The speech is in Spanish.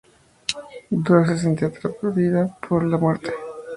Dora se sentía atraída por la muerte.